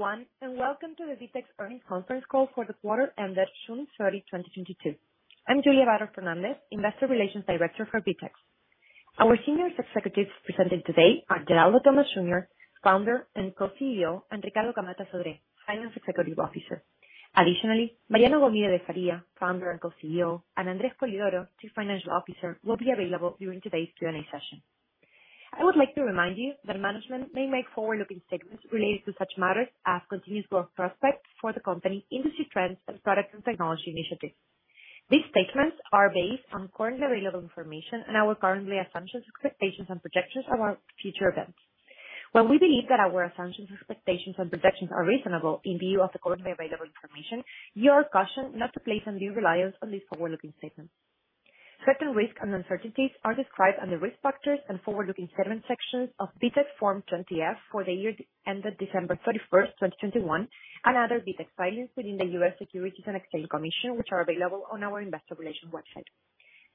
Hello, everyone, and welcome to the VTEX Earnings Conference Call for the quarter ended June 30, 2022. I'm Julia Vater Fernández, Investor Relations Director for VTEX. Our senior executives presenting today are Geraldo Thomaz Jr., Founder and Co-CEO, and Ricardo Camatta Sodré, Finance Executive Officer. Additionally, Mariano Gomide de Faria, Founder and Co-CEO, and André Spolidoro, Chief Financial Officer, will be available during today's Q&A session. I would like to remind you that management may make forward-looking statements related to such matters as continuous growth prospects for the company, industry trends, and product and technology initiatives. These statements are based on currently available information and our current assumptions, expectations, and projections about future events. While we believe that our assumptions, expectations, and projections are reasonable in view of the currently available information, you are cautioned not to place undue reliance on these forward-looking statements. Certain risks and uncertainties are described on the Risk Factors and Forward-Looking Statement sections of VTEX Form 20-F for the year that ended December 31, 2021, and other VTEX filings within the US Securities and Exchange Commission, which are available on our investor relations website.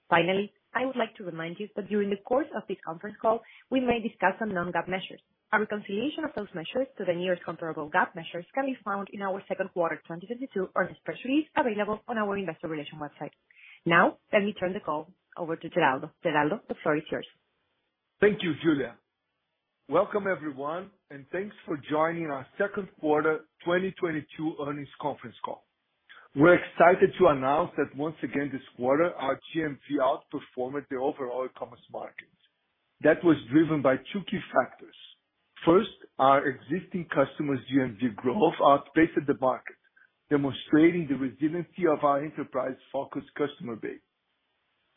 Finally, I would like to remind you that during the course of this conference call, we may discuss some non-GAAP measures. Our reconciliation of those measures to the nearest comparable GAAP measures can be found in our second quarter 2022 earnings press release available on our investor relations website. Now, let me turn the call over to Geraldo. Geraldo, the floor is yours. Thank you, Julia. Welcome, everyone, and thanks for joining our second quarter 2022 earnings conference call. We're excited to announce that once again this quarter, our GMV outperformed the overall commerce market. That was driven by two key factors. First, our existing customers' GMV growth outpaced the market, demonstrating the resiliency of our enterprise-focused customer base.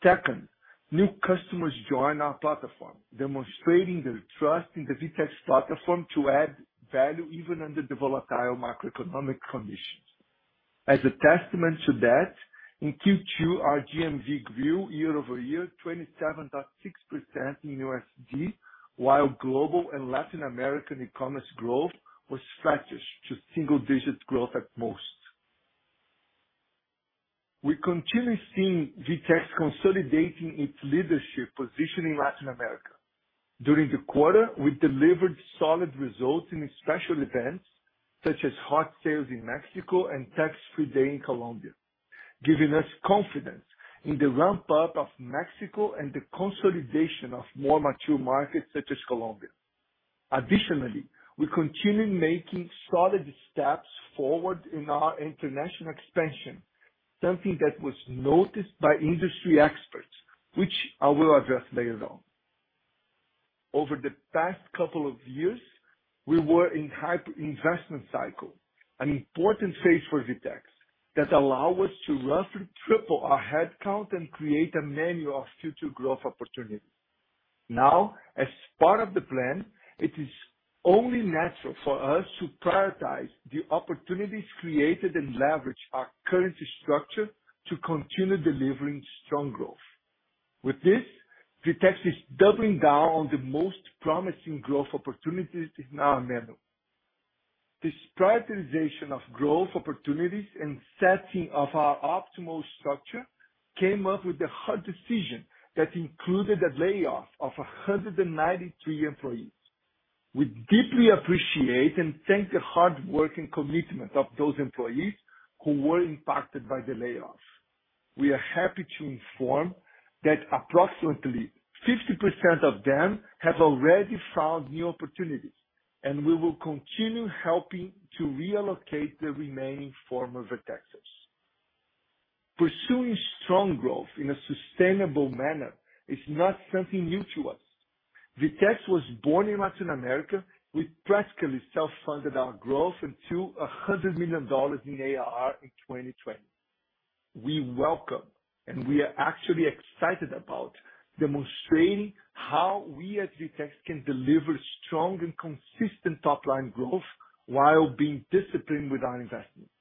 Second, new customers joined our platform, demonstrating their trust in the VTEX platform to add value even under the volatile macroeconomic conditions. As a testament to that, in Q2, our GMV grew year-over-year 27.6% in USD, while global and Latin American e-commerce growth was sluggish to single digit growth at most. We continue seeing VTEX consolidating its leadership position in Latin America. During the quarter, we delivered solid results in special events such as Hot Sale in Mexico and Tax-Free Day in Colombia, giving us confidence in the ramp up of Mexico and the consolidation of more mature markets such as Colombia. Additionally, we continue making solid steps forward in our international expansion, something that was noticed by industry experts, which I will address later on. Over the past couple of years, we were in hyper investment cycle, an important phase for VTEX that allow us to roughly triple our headcount and create a menu of future growth opportunities. Now, as part of the plan, it is only natural for us to prioritize the opportunities created and leverage our current structure to continue delivering strong growth. With this, VTEX is doubling down on the most promising growth opportunities in our menu. This prioritization of growth opportunities and setting of our optimal structure came up with the hard decision that included the layoff of 193 employees. We deeply appreciate and thank the hard work and commitment of those employees who were impacted by the layoff. We are happy to inform that approximately 50% of them have already found new opportunities, and we will continue helping to reallocate the remaining former VTEXers. Pursuing strong growth in a sustainable manner is not something new to us. VTEX was born in Latin America. We practically self-funded our growth into $100 million in ARR in 2020. We welcome, and we are actually excited about demonstrating how we at VTEX can deliver strong and consistent top-line growth while being disciplined with our investments.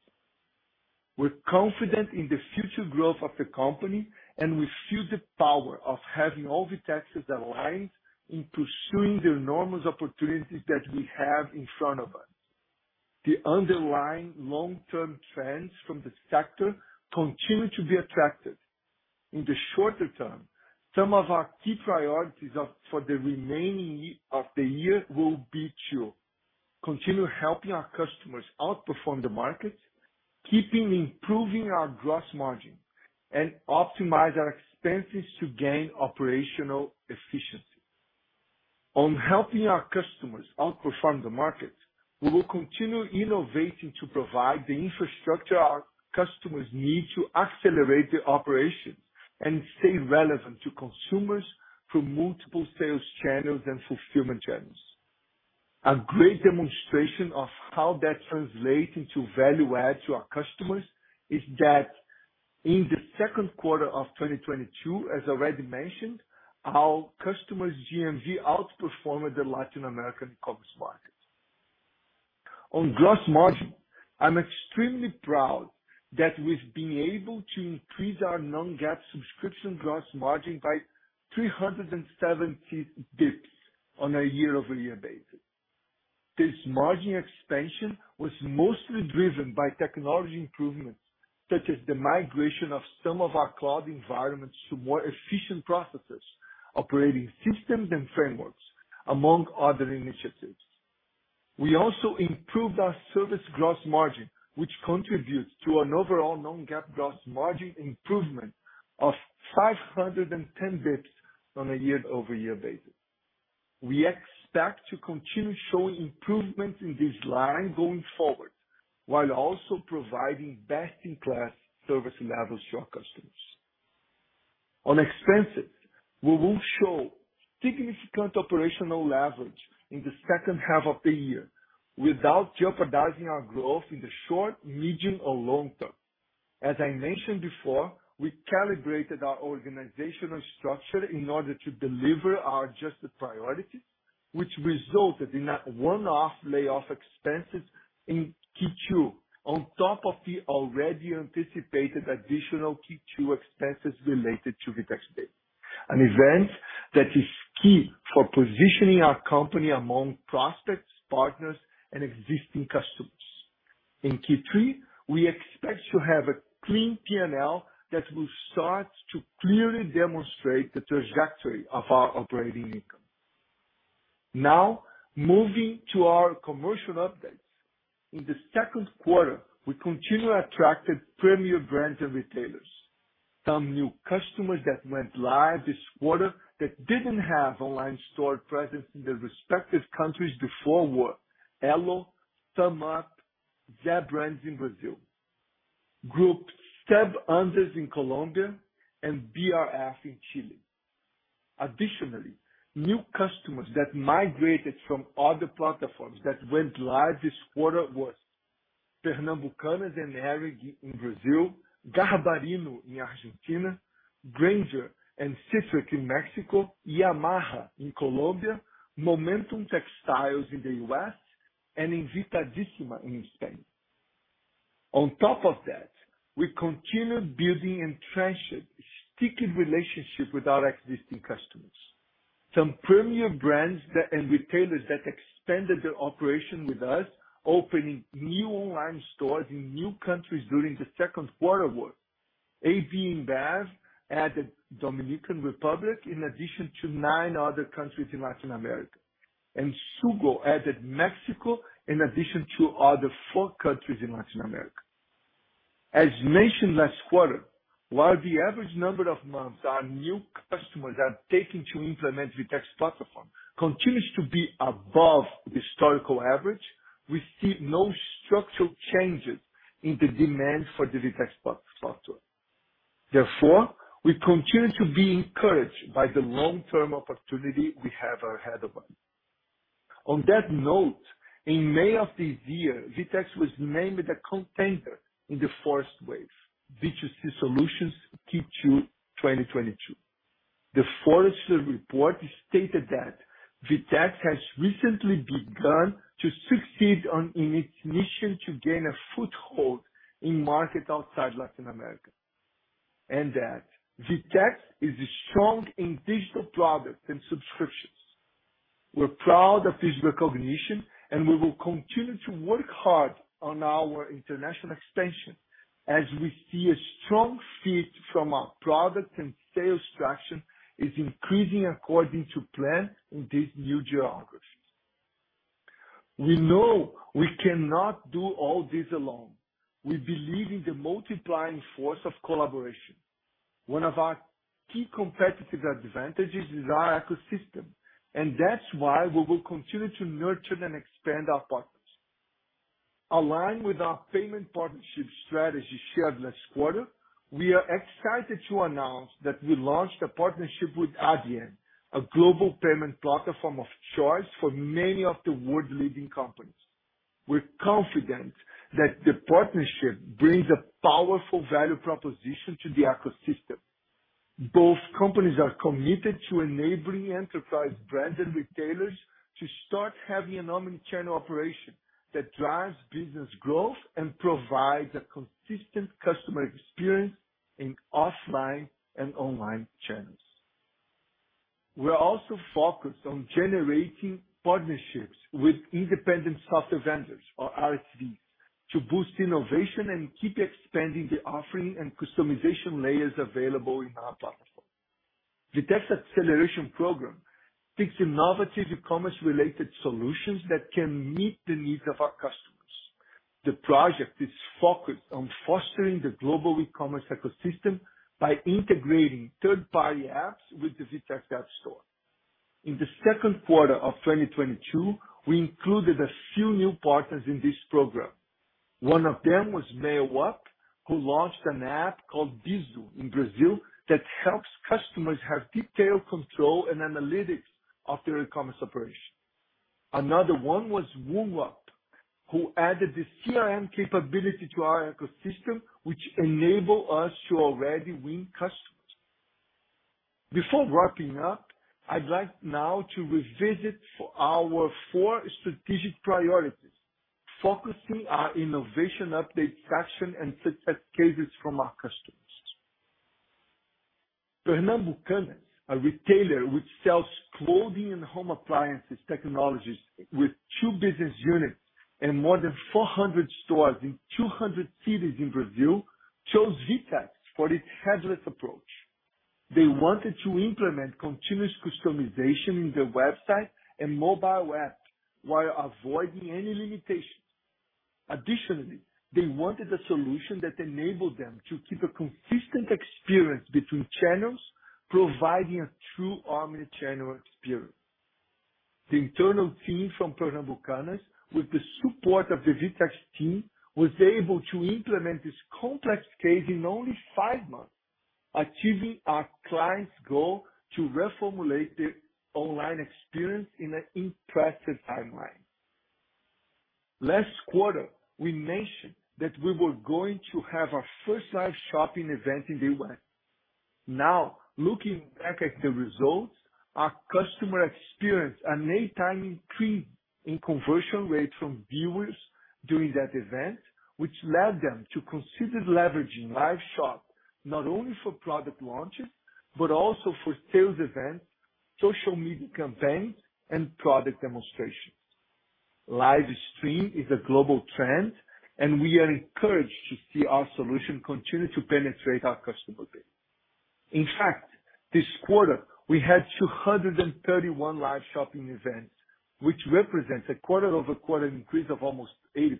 We're confident in the future growth of the company, and we feel the power of having all VTEXers aligned in pursuing the enormous opportunities that we have in front of us. The underlying long-term trends from the sector continue to be attractive. In the shorter term, some of our key priorities for the remaining of the year will be to continue helping our customers outperform the market, keeping improving our gross margin, and optimize our expenses to gain operational efficiency. On helping our customers outperform the market, we will continue innovating to provide the infrastructure our customers need to accelerate the operation and stay relevant to consumers through multiple sales channels and fulfillment channels. A great demonstration of how that translates into value add to our customers is that in the second quarter of 2022, as already mentioned, our customers' GMV outperformed the Latin American commerce market. On gross margin, I'm extremely proud that we've been able to increase our non-GAAP subscription gross margin by 370 basis points on a year-over-year basis. This margin expansion was mostly driven by technology improvements. Such as the migration of some of our cloud environments to more efficient processes, operating systems and frameworks, among other initiatives. We also improved our service gross margin, which contributes to an overall non-GAAP gross margin improvement of 510 basis points on a year-over-year basis. We expect to continue showing improvements in this line going forward, while also providing best-in-class service levels to our customers. On expenses, we will show significant operational leverage in the second half of the year without jeopardizing our growth in the short, medium, or long term. As I mentioned before, we calibrated our organizational structure in order to deliver our adjusted priorities, which resulted in a one-off layoff expenses in Q2 on top of the already anticipated additional Q2 expenses related to VTEX DAY. An event that is key for positioning our company among prospects, partners, and existing customers. In Q3, we expect to have a clean P&L that will start to clearly demonstrate the trajectory of our operating income. Now, moving to our commercial updates. In the second quarter, we continue to attract premier brands and retailers. Some new customers that went live this quarter that didn't have online store presence in their respective countries before were Elo, TK Maxx, Zé Brands in Brazil, Groupe SEB Andes in Colombia, and BRF in Chile. Additionally, new customers that migrated from other platforms that went live this quarter were Pernambucanas & Hering in Brazil, Garbarino in Argentina, Grainger and Cítricos de Colima in Mexico, Yamaha in Colombia, Momentum Textiles in the US, and Invitadísima in Spain. On top of that, we continued building and entrenching sticky relationships with our existing customers. Some premier brands and retailers that expanded their operation with us, opening new online stores in new countries during the second quarter were Avon added the Dominican Republic in addition to 9 other countries in Latin America. Sugo added Mexico in addition to other 4 countries in Latin America. As mentioned last quarter, while the average number of months our new customers are taking to implement VTEX platform continues to be above historical average, we see no structural changes in the demand for the VTEX platform. Therefore, we continue to be encouraged by the long-term opportunity we have ahead of us. On that note, in May of this year, VTEX was named a contender in the Forrester Wave B2C Commerce Solutions Q2 2022. The Forrester report stated that VTEX has recently begun to succeed in its mission to gain a foothold in markets outside Latin America, and that VTEX is strong in digital products and subscriptions. We're proud of this recognition, and we will continue to work hard on our international expansion as we see a strong fit from our product and sales traction is increasing according to plan in these new geographies. We know we cannot do all this alone. We believe in the multiplying force of collaboration. One of our key competitive advantages is our ecosystem, and that's why we will continue to nurture and expand our partners. Aligned with our payment partnership strategy shared last quarter, we are excited to announce that we launched a partnership with Adyen, a global payment platform of choice for many of the world's leading companies. We're confident that the partnership brings a powerful value proposition to the ecosystem. Both companies are committed to enabling enterprise brands and retailers to start having an omnichannel operation that drives business growth and provides a consistent customer experience in offline and online channels. We are also focused on generating partnerships with independent software vendors or ISV to boost innovation and keep expanding the offering and customization layers available in our platform. VTEX Accelerator picks innovative e-commerce related solutions that can meet the needs of our customers. The project is focused on fostering the global e-commerce ecosystem by integrating third-party apps with the VTEX App Store. In the second quarter of 2022, we included a few new partners in this program. One of them was Neoway, who launched an app called Vizoo in Brazil that helps customers have detailed control and analytics of their e-commerce operation. Another one was WoowUp, who added the CRM capability to our ecosystem, which enable us to already win customers. Before wrapping up, I'd like now to revisit four strategic priorities, focusing our innovation update traction and success cases from our customers. Pernambucanas, a retailer which sells clothing and home appliances technologies with two business units and more than 400 stores in 200 cities in Brazil, chose VTEX for its headless approach. They wanted to implement continuous customization in their website and mobile app while avoiding any limitations. Additionally, they wanted a solution that enabled them to keep a consistent experience between channels, providing a true omnichannel experience. The internal team from Pernambucanas, with the support of the VTEX team, was able to implement this complex case in only 5 months, achieving our client's goal to reformulate the online experience in an impressive timeline. Last quarter, we mentioned that we were going to have our first live shopping event in the US Now, looking back at the results, our customer experienced an 8 times increase in conversion rates from viewers during that event, which led them to consider leveraging live shopping, not only for product launches, but also for sales events, social media campaigns, and product demonstrations. Live stream is a global trend, and we are encouraged to see our solution continue to penetrate our customer base. In fact, this quarter, we had 231 live shopping events, which represents a quarter-over-quarter increase of almost 80%.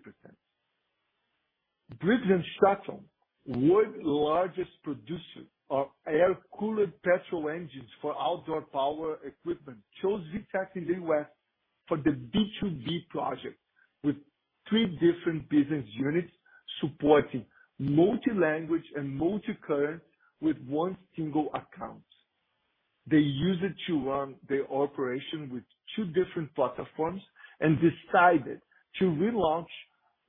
Briggs & Stratton, world's largest producer of air-cooled gasoline engines for outdoor power equipment, chose VTEX in the US for the B2B project with 3 different business units supporting multi-language and multi-currency with 1 single account. They use it to run their operation with 2 different platforms and decided to relaunch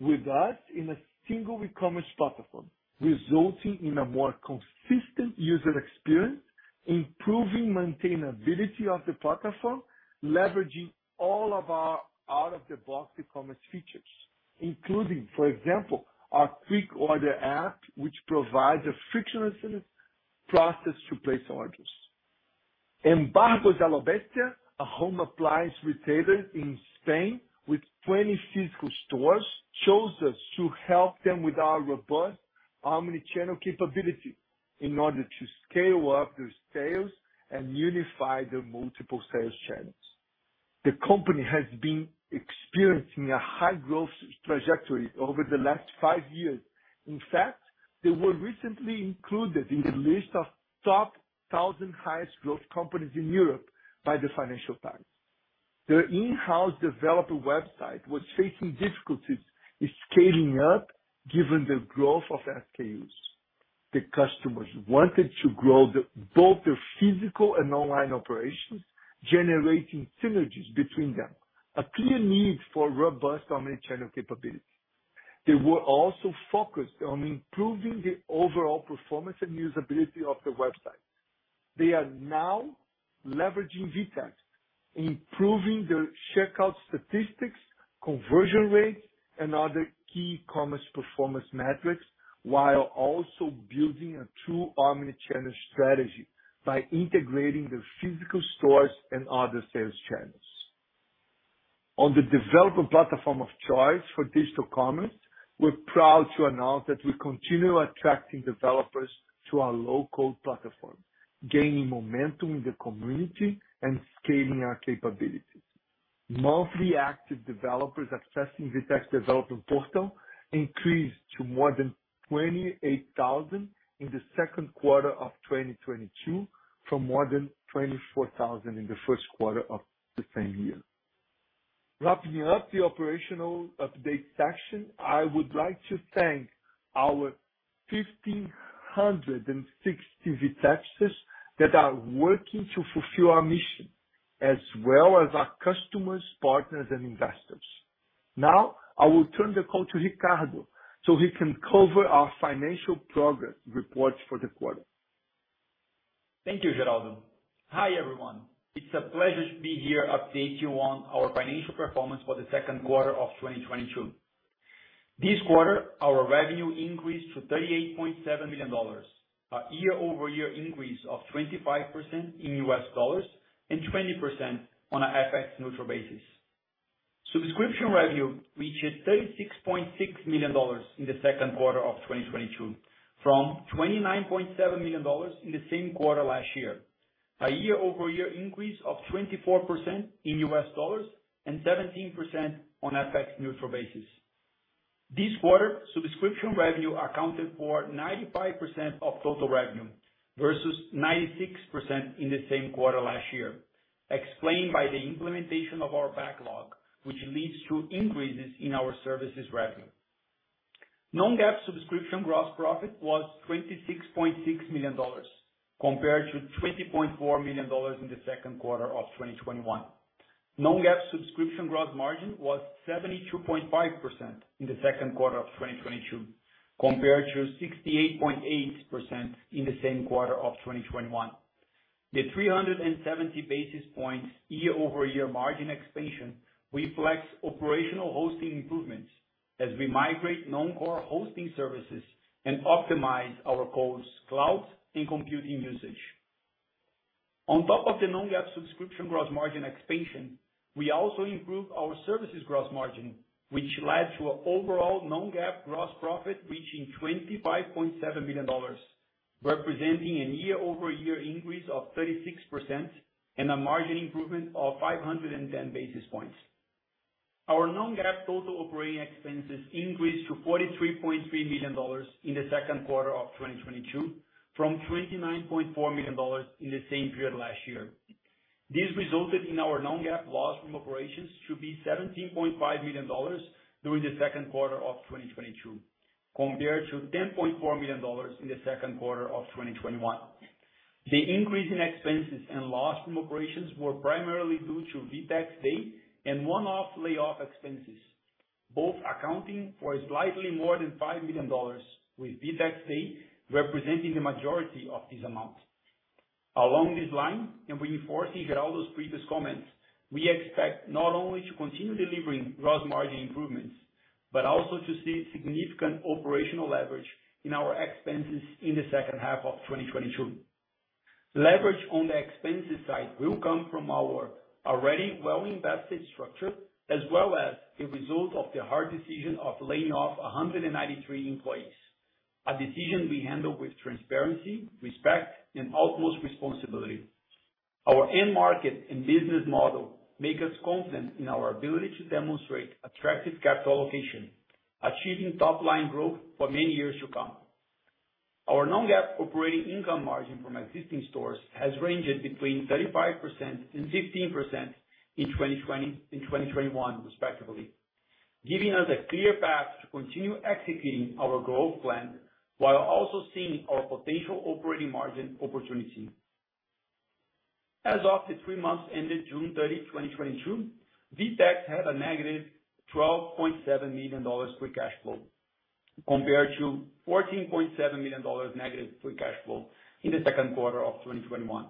with us in a single e-commerce platform, resulting in a more consistent user experience, improving maintainability of the platform, leveraging all of our out-of-the-box e-commerce features, including, for example, our Quickorder app, which provides a frictionless process to place orders. Electrodomésticos Barbosa, a home appliance retailer in Spain with 20 physical stores, chose us to help them with our robust omnichannel capability in order to scale up their sales and unify their multiple sales channels. The company has been experiencing a high growth trajectory over the last 5 years. In fact, they were recently included in the list of top thousand highest growth companies in Europe by the Financial Times. Their in-house developer website was facing difficulties in scaling up given the growth of SKUs. The customers wanted to grow both their physical and online operations, generating synergies between them, a clear need for robust omnichannel capability. They were also focused on improving the overall performance and usability of the website. They are now leveraging VTEX, improving their checkout statistics, conversion rates, and other key commerce performance metrics, while also building a true omnichannel strategy by integrating their physical stores and other sales channels. On the developer platform of choice for digital commerce, we're proud to announce that we continue attracting developers to our local platform, gaining momentum in the community and scaling our capabilities. Monthly active developers accessing the tech developer portal increased to more than 28,000 in the second quarter of 2022 from more than 24,000 in the first quarter of the same year. Wrapping up the operational update section, I would like to thank our 1,560 VTEXers that are working to fulfill our mission as well as our customers, partners, and investors. Now, I will turn the call to Ricardo, so he can cover our financial progress reports for the quarter. Thank you, Geraldo. Hi, everyone. It's a pleasure to be here updating you on our financial performance for the second quarter of 2022. This quarter, our revenue increased to $38.7 million, a year-over-year increase of 25% in US dollars and 20% on a FX neutral basis. Subscription revenue reached $36.6 million in the second quarter of 2022 from $29.7 million in the same quarter last year, a year-over-year increase of 24% in US dollars and 17% on FX neutral basis. This quarter, subscription revenue accounted for 95% of total revenue versus 96% in the same quarter last year, explained by the implementation of our backlog, which leads to increases in our services revenue. Non-GAAP subscription gross profit was $26.6 million compared to $20.4 million in the second quarter of 2021. Non-GAAP subscription gross margin was 72.5% in the second quarter of 2022 compared to 68.8% in the same quarter of 2021. The 370 basis points year-over-year margin expansion reflects operational hosting improvements as we migrate non-core hosting services and optimize our cost, cloud, and computing usage. On top of the non-GAAP subscription gross margin expansion, we also improved our services gross margin, which led to an overall non-GAAP gross profit reaching $25.7 million, representing a year-over-year increase of 36% and a margin improvement of 510 basis points. Our non-GAAP total operating expenses increased to $43.3 million in the second quarter of 2022, from $29.4 million in the same period last year. This resulted in our non-GAAP loss from operations to be $17.5 million during the second quarter of 2022, compared to $10.4 million in the second quarter of 2021. The increase in expenses and loss from operations were primarily due to VTEX Day and one-off layoff expenses, both accounting for slightly more than $5 million, with VTEX Day representing the majority of this amount. Along this line, and reinforcing Geraldo's previous comments, we expect not only to continue delivering gross margin improvements, but also to see significant operational leverage in our expenses in the second half of 2022. Leverage on the expenses side will come from our already well-invested structure, as well as a result of the hard decision of laying off 193 employees, a decision we handle with transparency, respect, and utmost responsibility. Our end market and business model make us confident in our ability to demonstrate attractive capital allocation, achieving top-line growth for many years to come. Our non-GAAP operating income margin from existing stores has ranged between 35% and 15% in 2020 and 2021 respectively, giving us a clear path to continue executing our growth plan while also seeing our potential operating margin opportunity. As of the three months ended June 30, 2022, VTEX had a negative $12.7 million free cash flow compared to $14.7 million negative free cash flow in the second quarter of 2021.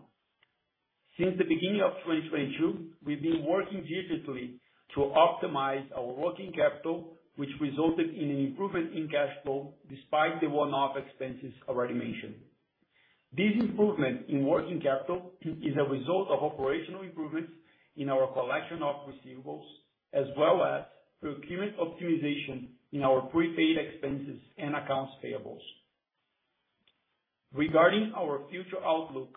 Since the beginning of 2022, we've been working diligently to optimize our working capital, which resulted in an improvement in cash flow despite the one-off expenses already mentioned. This improvement in working capital is a result of operational improvements in our collection of receivables as well as procurement optimization in our prepaid expenses and accounts payables. Regarding our future outlook,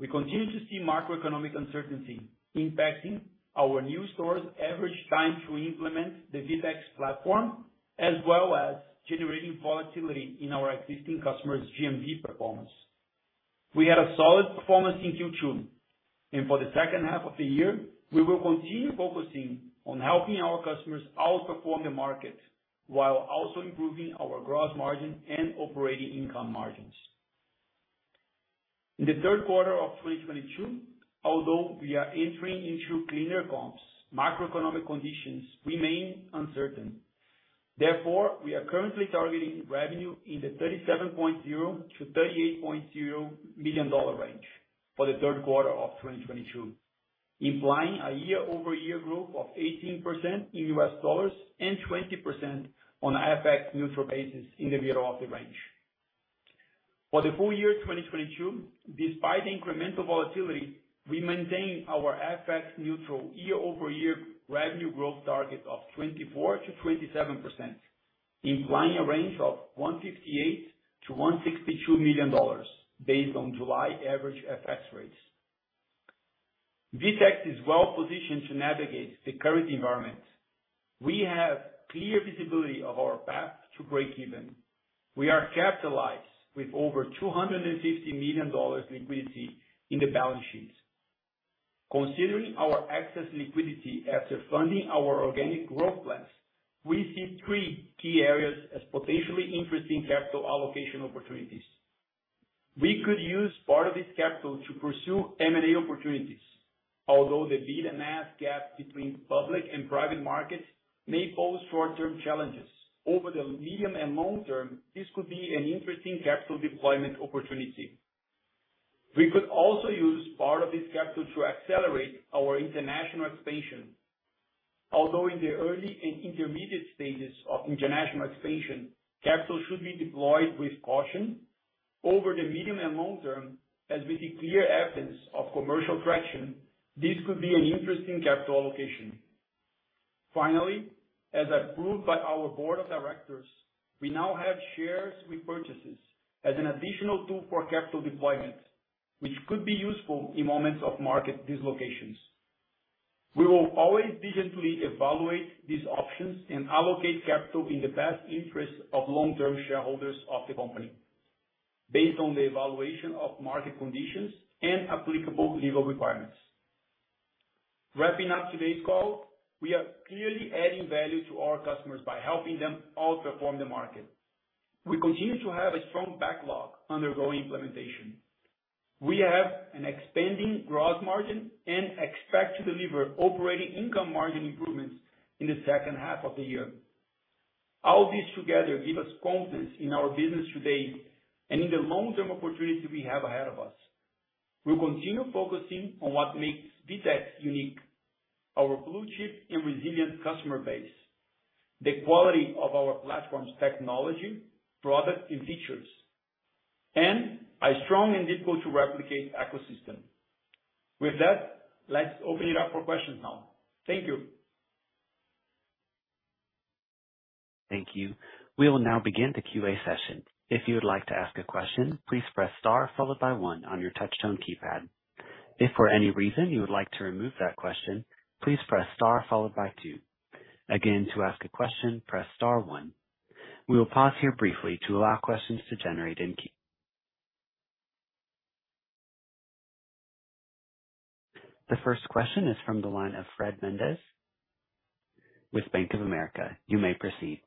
we continue to see macroeconomic uncertainty impacting our new stores' average time to implement the VTEX platform, as well as generating volatility in our existing customers' GMV performance. We had a solid performance in Q2, and for the second half of the year, we will continue focusing on helping our customers outperform the market while also improving our gross margin and operating income margins. In the third quarter of 2022, although we are entering into cleaner comps, macroeconomic conditions remain uncertain. Therefore, we are currently targeting revenue in the $37.0 million-$38.0 million range for the third quarter of 2022, implying a year-over-year growth of 18% in US dollars and 20% on FX neutral basis in the middle of the range. For the full year 2022, despite the incremental volatility, we maintain our FX neutral year-over-year revenue growth target of 24%-27%, implying a range of $158 million-$162 million based on July average FX rates. VTEX is well-positioned to navigate the current environment. We have clear visibility of our path to breakeven. We are capitalized with over $250 million liquidity in the balance sheets. Considering our excess liquidity after funding our organic growth plans, we see three key areas as potentially interesting capital allocation opportunities. We could use part of this capital to pursue M&A opportunities. Although the bid and ask gap between public and private markets may pose short-term challenges, over the medium and long term, this could be an interesting capital deployment opportunity. We could also use part of this capital to accelerate our international expansion. Although in the early and intermediate stages of international expansion, capital should be deployed with caution, over the medium and long term, as we see clear evidence of commercial traction, this could be an interesting capital allocation. Finally, as approved by our board of directors, we now have shares repurchases as an additional tool for capital deployment, which could be useful in moments of market dislocations. We will always diligently evaluate these options and allocate capital in the best interest of long-term shareholders of the company based on the evaluation of market conditions and applicable legal requirements. Wrapping up today's call, we are clearly adding value to our customers by helping them outperform the market. We continue to have a strong backlog undergoing implementation. We have an expanding gross margin and expect to deliver operating income margin improvements in the second half of the year. All this together give us confidence in our business today and in the long-term opportunity we have ahead of us. We'll continue focusing on what makes VTEX unique, our blue chip and resilient customer base, the quality of our platform's technology, product, and features, and a strong and difficult to replicate ecosystem. With that, let's open it up for questions now. Thank you. Thank you. We will now begin the QA session. If you would like to ask a question, please press star followed by one on your touchtone keypad. If for any reason you would like to remove that question, please press star followed by two. Again, to ask a question, press star one. We will pause here briefly to allow questions to generate in queue. The first question is from the line of Fred Mendes with Bank of America. You may proceed.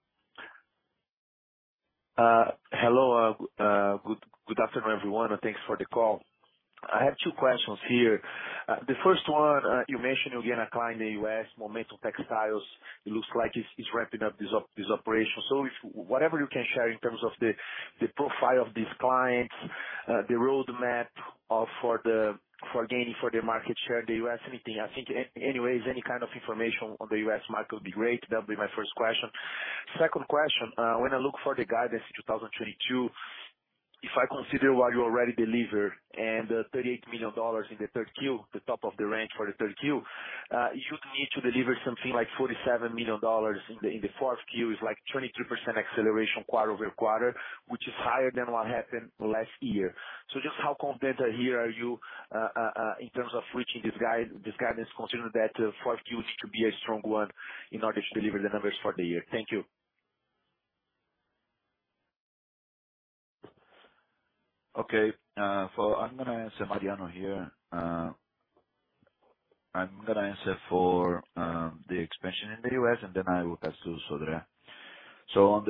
Hello. Good afternoon, everyone, and thanks for the call. I have two questions here. The first one, you mentioned you gain a client in the US, Momentum Textiles. It looks like it's ramping up this operation. If whatever you can share in terms of the profile of these clients, the roadmap for gaining further market share in the US, anything I think. Anyways, any kind of information on the US market would be great. That'll be my first question. Second question. When I look for the guidance in 2022, if I consider what you already deliver and the $38 million in the third Q, the top of the range for the third Q, you'd need to deliver something like $47 million in the fourth Q.It's like 23% acceleration quarter-over-quarter, which is higher than what happened last year. Just how confident here are you in terms of reaching this guide, this guidance, considering that fourth Q is to be a strong one in order to deliver the numbers for the year? Thank you. Okay. I'm gonna answer for the expansion in the US, Mariano here. Then I will pass to Sodré. On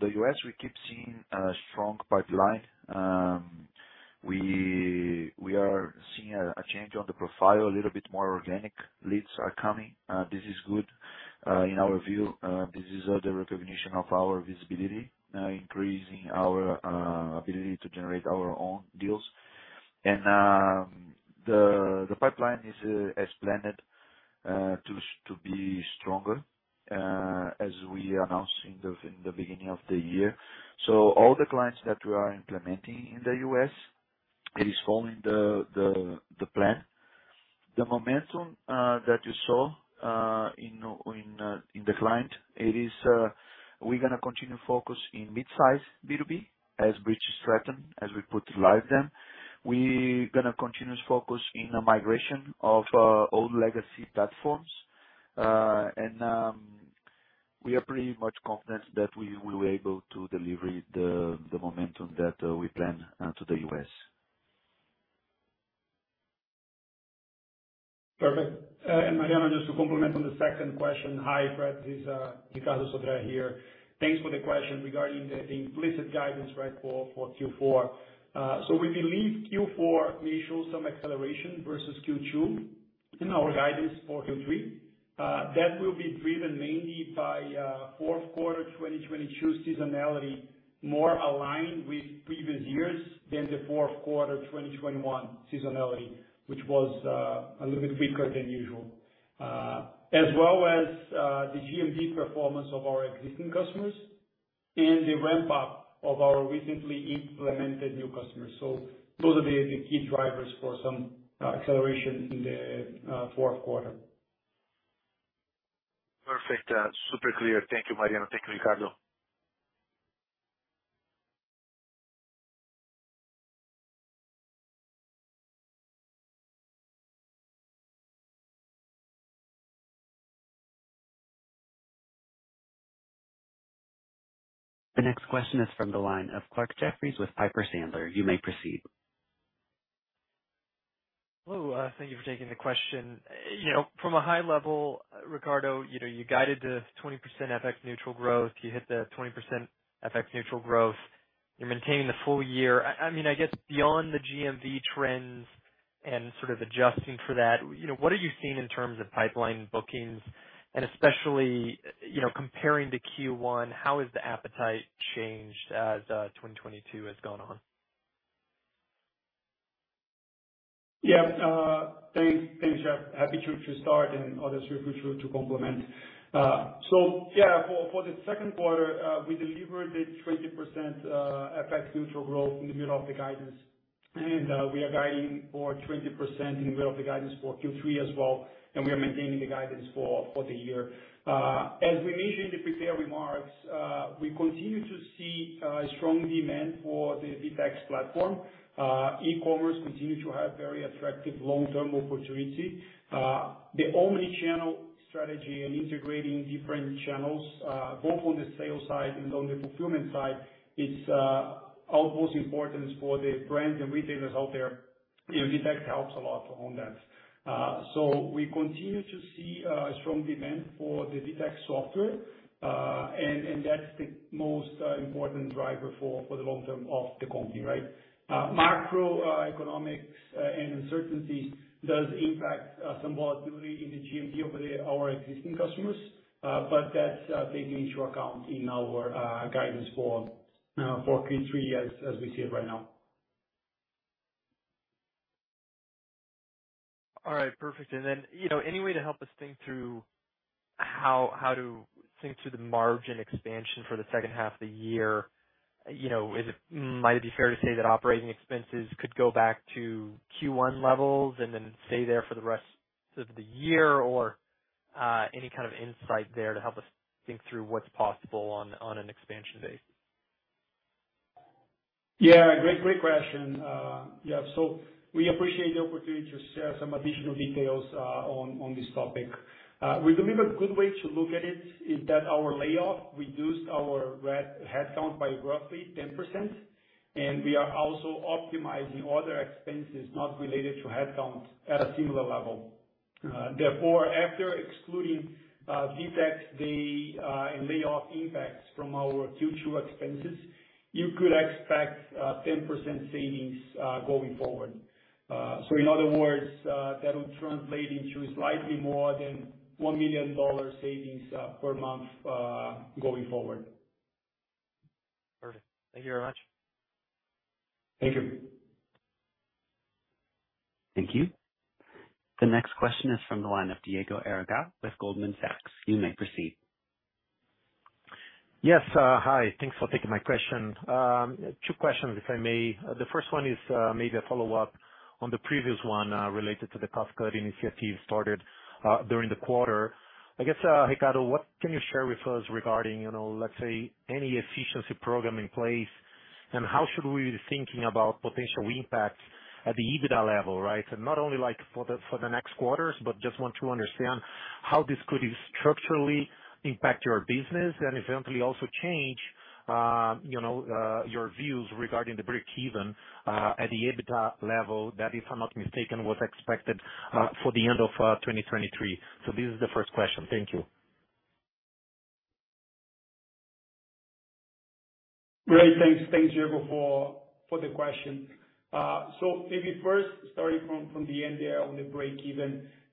the US, we keep seeing a strong pipeline. We are seeing a change on the profile. A little bit more organic leads are coming. This is good. In our view, this is the recognition of our visibility, increasing our ability to generate our own deals. The pipeline is as planned to be stronger, as we announced in the beginning of the year. All the clients that we are implementing in the US, it is following the plan. The momentum that you saw in clients, we're gonna continue to focus on midsize B2B as we put live then. We're gonna continue to focus on the migration of old legacy platforms. We are pretty much confident that we will be able to deliver the momentum that we plan for the US Perfect. Mariano, just to complement on the second question. Hi, Fred. This is Ricardo Sodré here. Thanks for the question regarding the implicit guidance, right, for Q4. We believe Q4 may show some acceleration versus Q2 in our guidance for Q3. That will be driven mainly by fourth quarter 2022 seasonality, more aligned with previous years than the fourth quarter 2021 seasonality, which was a little bit weaker than usual. As well as the GMV performance of our existing customers and the ramp-up of our recently implemented new customers. Those will be the key drivers for some acceleration in the fourth quarter. Perfect. Super clear. Thank you, Mariano. Thank you, Ricardo. The next question is from the line of Clarke Jeffries with Piper Sandler. You may proceed. Hello. Thank you for taking the question. You know, from a high level, Ricardo, you know, you guided to 20% FX neutral growth. You hit the 20% FX neutral growth. You're maintaining the full year. I mean, I guess beyond the GMV trends and sort of adjusting for that, you know, what are you seeing in terms of pipeline bookings? And especially, you know, comparing to Q1, how has the appetite changed as 2022 has gone on? Yeah. Thanks, Jeff. Happy to start and others feel free to complement. Yeah, for the second quarter, we delivered the 20% FX neutral growth in the middle of the guidance. We are guiding for 20% in the middle of the guidance for Q3 as well. We are maintaining the guidance for the year. As we mentioned in the prepared remarks, we continue to see strong demand for the VTEX platform. E-commerce continue to have very attractive long-term opportunity. The omnichannel strategy and integrating different channels, both on the sales side and on the fulfillment side is of most importance for the brands and retailers out there. You know, VTEX helps a lot on that. We continue to see strong demand for the VTEX software. That's the most important driver for the long term of the company, right? Macroeconomics and uncertainty does impact some volatility in the GMV of our existing customers. That's taken into account in our guidance for Q3 as we see it right now. All right, perfect. Then, you know, any way to help us think through how to think through the margin expansion for the second half of the year? You know, is it? Might it be fair to say that operating expenses could go back to Q1 levels and then stay there for the rest of the year, or any kind of insight there to help us think through what's possible on an expansion base? Yeah, great question. Yeah. We appreciate the opportunity to share some additional details on this topic. We believe a good way to look at it is that our layoff reduced our headcount by roughly 10%, and we are also optimizing other expenses not related to headcount at a similar level. Therefore, after excluding VTEX DAY and layoff impacts from our future expenses, you could expect 10% savings going forward. In other words, that will translate into slightly more than $1 million savings per month going forward. Perfect. Thank you very much. Thank you. Thank you. The next question is from the line of Diego Aragão with Goldman Sachs. You may proceed. Yes, hi. Thanks for taking my question. Two questions, if I may. The first one is, maybe a follow-up on the previous one, related to the cost-cutting initiative started during the quarter. I guess, Ricardo, what can you share with us regarding, you know, let's say, any efficiency program in place, and how should we be thinking about potential impact at the EBITDA level, right? So not only like, for the next quarters, but just want to understand how this could structurally impact your business and eventually also change, you know, your views regarding the breakeven at the EBITDA level that, if I'm not mistaken, was expected for the end of 2023. So this is the first question. Thank you. Great. Thanks. Thanks, Diego, for the question. Maybe first starting from the end there on the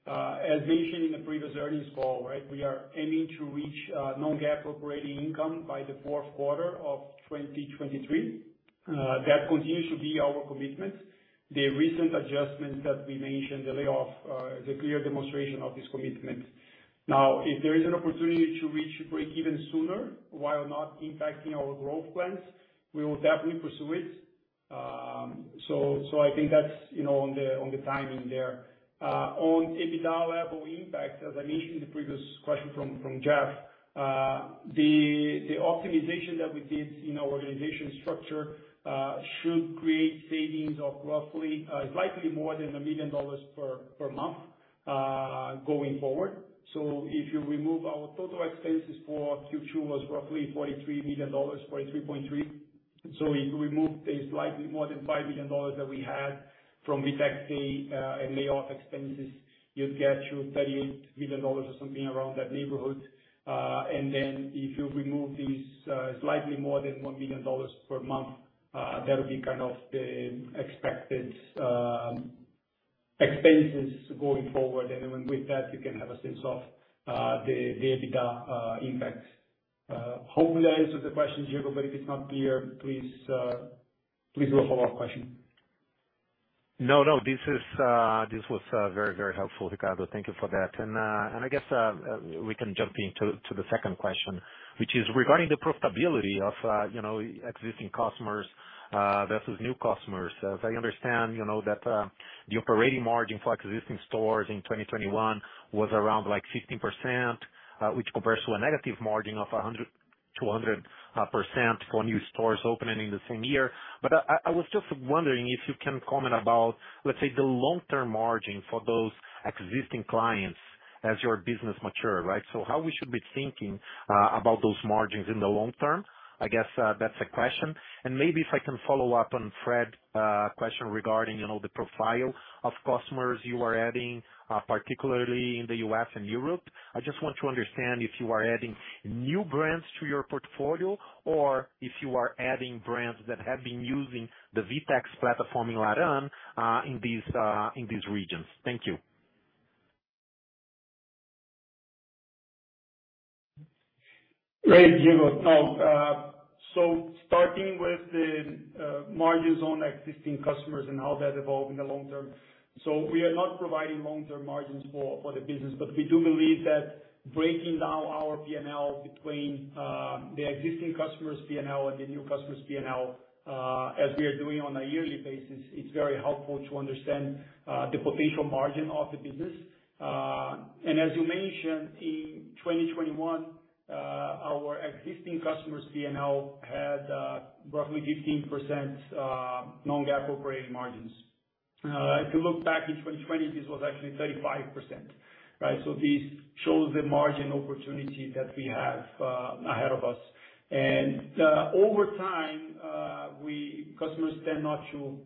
breakeven. As mentioned in the previous earnings call, right, we are aiming to reach non-GAAP operating income by the fourth quarter of 2023. That continues to be our commitment. The recent adjustments that we mentioned, the layoff, is a clear demonstration of this commitment. Now, if there is an opportunity to reach breakeven sooner while not impacting our growth plans, we will definitely pursue it. I think that's, you know, on the timing there. On EBITDA level impact, as I mentioned in the previous question from Jeff, the optimization that we did in our organization structure should create savings of roughly slightly more than $1 million per month going forward. If you remove our total expenses for Q2 was roughly $43 million, $43.3 million. If you remove the slightly more than $5 million that we had from VTEX DAY, and layoff expenses, you'd get to $38 million or something around that neighborhood. And then if you remove these slightly more than $1 million per month, that'll be kind of the expected expenses going forward. And then with that, you can have a sense of the EBITDA impacts. Hopefully I answered the question, Diego, but if it's not clear, please do a follow-up question. No, this was very helpful, Ricardo. Thank you for that. I guess we can jump into the second question, which is regarding the profitability of existing customers versus new customers. As I understand, the operating margin for existing stores in 2021 was around like 16%, which compares to a negative margin of 100-200% for new stores opening in the same year. I was just wondering if you can comment about the long-term margin for those existing clients as your business mature, right? How we should be thinking about those margins in the long term? I guess, that's a question. Maybe if I can follow up on Fred's question regarding, you know, the profile of customers you are adding, particularly in the US and Europe. I just want to understand if you are adding new brands to your portfolio or if you are adding brands that have been using the VTEX platform in Run in these regions. Thank you. Great, Diego. No, starting with the margins on existing customers and how that evolve in the long term. We are not providing long-term margins for the business, but we do believe that breaking down our PNL between the existing customers' PNL and the new customers' PNL as we are doing on a yearly basis, it's very helpful to understand the potential margin of the business. As you mentioned, in 2021, our existing customers' PNL had roughly 15% non-GAAP operating margins. If you look back in 2020, this was actually 35%, right? This shows the margin opportunity that we have ahead of us. Over time, customers tend not to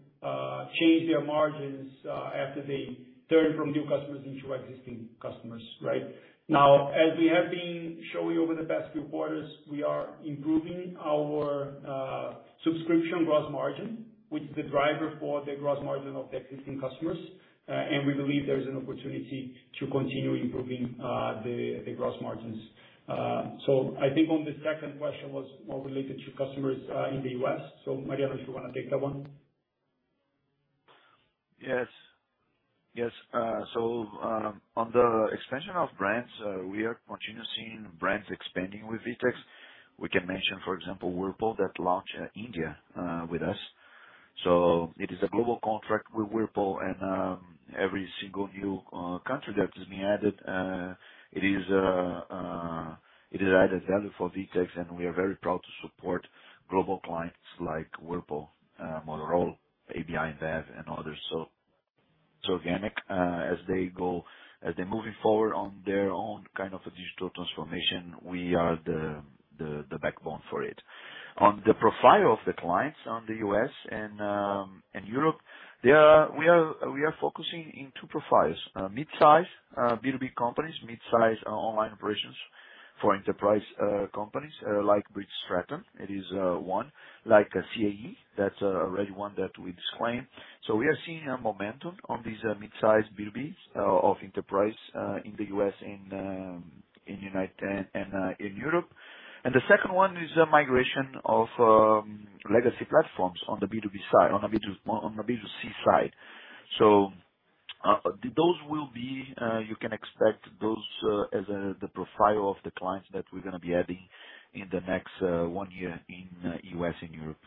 change their margins after they turn from new customers into existing customers, right? Now, as we have been showing over the past few quarters, we are improving our subscription gross margin, which is the driver for the gross margin of the existing customers. We believe there is an opportunity to continue improving the gross margins. I think on the second question was more related to customers in the US. Mariano, if you wanna take that one. On the expansion of brands, we are continuously seeing brands expanding with VTEX. We can mention, for example, Whirlpool that launched in India with us. It is a global contract with Whirlpool and every single new country that is being added, it is added value for VTEX, and we are very proud to support global clients like Whirlpool, Motorola, AB InBev and others. Organic as they're moving forward on their own kind of a digital transformation, we are the backbone for it. On the profile of the clients in the US and Europe, we are focusing on two profiles. Mid-size B2B companies, mid-size online operations for enterprise companies like Briggs & Stratton. It is one. Like C&A, that's already one that we discussed. We are seeing a momentum on these mid-size B2Bs of enterprise in the US and in Europe. The second one is the migration of legacy platforms on the B2B side, on the B2C side. Those will be you can expect those as the profile of the clients that we're gonna be adding in the next one year in US and Europe.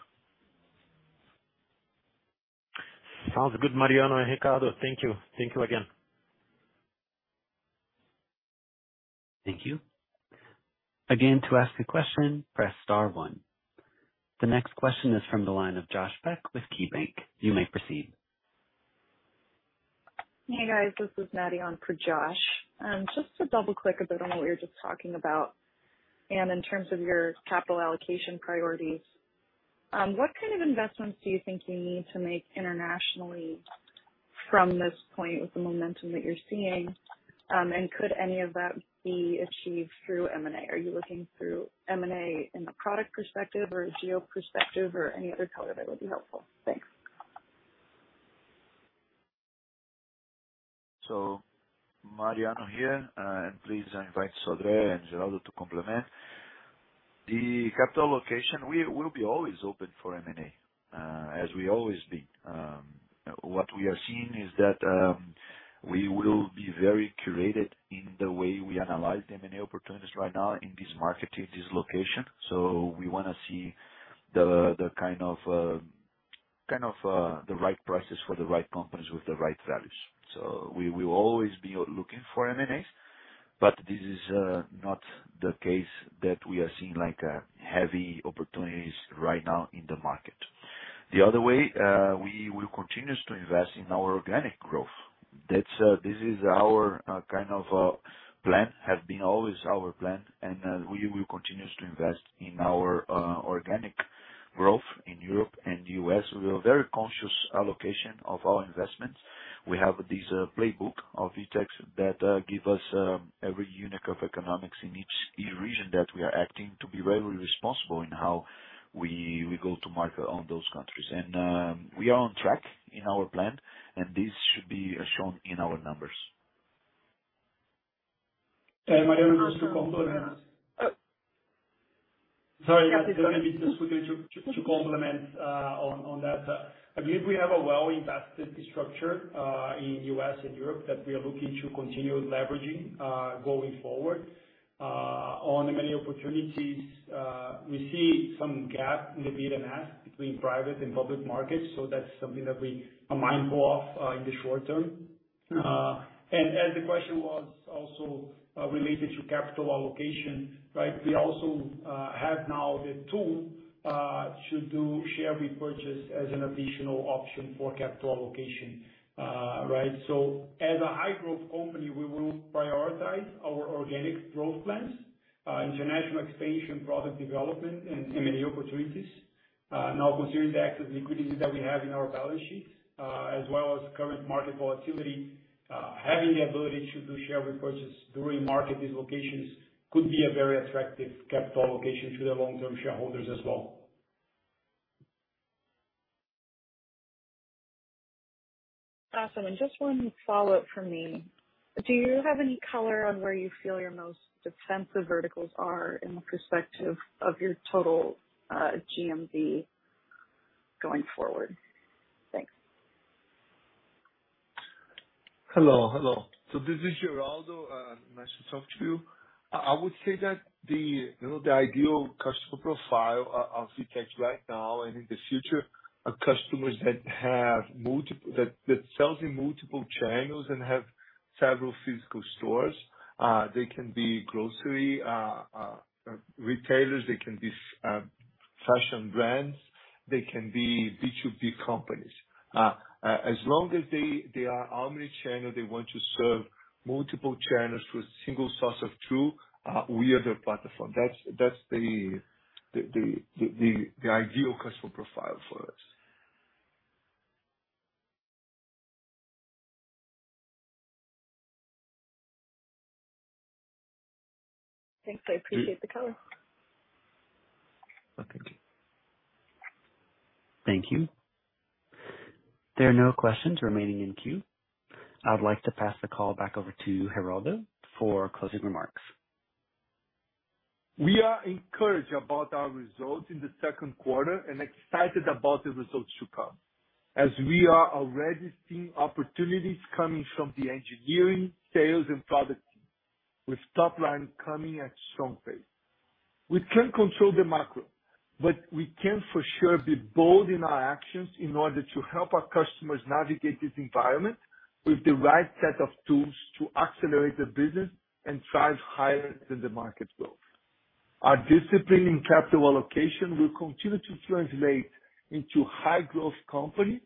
Sounds good, Mariano and Ricardo. Thank you. Thank you again. Thank you. Again, to ask a question, press star one. The next question is from the line of Josh Beck with KeyBanc. You may proceed. Hey, guys, this is Maddie on for Josh. Just to double-click a bit on what you were just talking about, and in terms of your capital allocation priorities, what kind of investments do you think you need to make internationally from this point with the momentum that you're seeing? Could any of that be achieved through M&A? Are you looking through M&A in the product perspective or geo perspective or any other color that would be helpful? Thanks. Mariano here, and please I invite Sodré and Geraldo to complement. The capital allocation, we will be always open for M&A, as we always been. What we are seeing is that, we will be very curated in the way we analyze M&A opportunities right now in this market, in this location. We wanna see the right prices for the right companies with the right values. We will always be looking for M&As, but this is not the case that we are seeing like a heavy opportunities right now in the market. The other way, we will continue to invest in our organic growth. That's this is our kind of plan, have been always our plan. We will continue to invest in our organic growth in Europe and US We are very conscious allocation of our investments. We have this playbook of VTEX that give us every unit of economics in each region that we are acting to be very responsible in how we go to market on those countries. We are on track in our plan, and this should be shown in our numbers. Hey, Mariano, just to complement. Sorry, yeah. Just to quickly complement on that. I believe we have a well-invested structure in US and Europe that we are looking to continue leveraging going forward. On the many opportunities, we see some gap in the bid and ask between private and public markets, so that's something that we are mindful of in the short term. As the question was also related to capital allocation, right? We also have now the tool to do share repurchase as an additional option for capital allocation. Right? As a high growth company, we will prioritize our organic growth plans, international expansion, product development, and M&A opportunities. Now considering the active liquidity that we have in our balance sheets, as well as current market volatility, having the ability to do share repurchase during market dislocations could be a very attractive capital allocation to the long-term shareholders as well. Awesome. Just one follow-up from me. Do you have any color on where you feel your most defensive verticals are in the perspective of your total GMV going forward? Thanks. Hello, hello. This is Geraldo. Nice to talk to you. I would say that the ideal customer profile of VTEX right now and in the future are customers that sells in multiple channels and have several physical stores. They can be grocery retailers, they can be fashion brands, they can be B2B companies. As long as they are omnichannel, they want to serve multiple channels with single source of truth, we are their platform. That's the ideal customer profile for us. Thanks. I appreciate the color. Thank you. There are no questions remaining in queue. I'd like to pass the call back over to Geraldo for closing remarks. We are encouraged about our results in the second quarter and excited about the results to come, as we are already seeing opportunities coming from the engineering, sales and product team, with top line coming at strong pace. We can't control the macro, but we can for sure be bold in our actions in order to help our customers navigate this environment with the right set of tools to accelerate the business and drive higher than the market growth. Our discipline in capital allocation will continue to translate into high growth company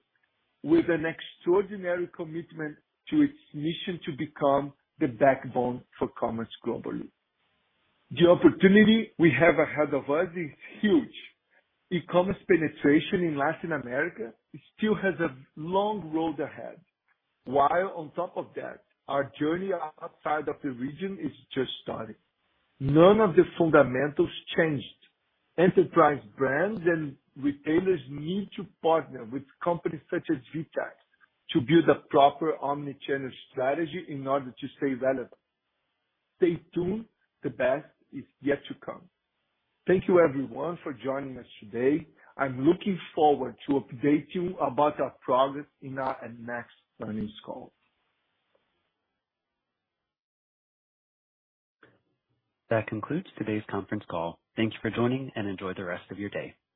with an extraordinary commitment to its mission to become the backbone for commerce globally. The opportunity we have ahead of us is huge. E-commerce penetration in Latin America still has a long road ahead, while on top of that, our journey outside of the region is just starting. None of the fundamentals changed. Enterprise brands and retailers need to partner with companies such as VTEX to build a proper omnichannel strategy in order to stay relevant. Stay tuned. The best is yet to come. Thank you everyone for joining us today. I'm looking forward to update you about our progress in our next earnings call. That concludes today's conference call. Thank you for joining, and enjoy the rest of your day.